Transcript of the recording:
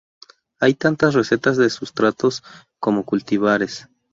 Hay tantas recetas de sustratos como cultivares.